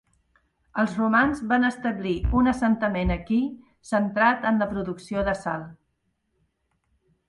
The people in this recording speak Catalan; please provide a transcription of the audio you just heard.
Els romans van establir un assentament aquí, centrat en la producció de sal.